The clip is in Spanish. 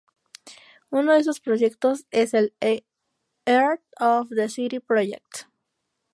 Uno de esos proyectos es el "Heart of the City Project".